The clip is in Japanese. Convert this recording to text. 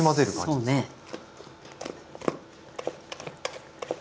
はいそうですね。